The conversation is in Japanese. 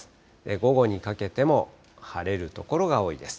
午後にかけても晴れる所が多いです。